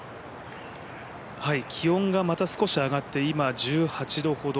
気温がまた少し上がって今１８度ほど。